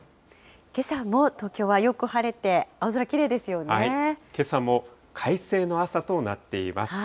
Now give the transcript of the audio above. けさも東京はよく晴れて、青空、けさも快晴の朝となっています。